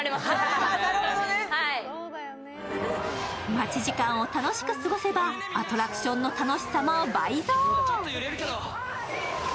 待ち時間を楽しく過ごせばアトラクションの楽しさも倍増。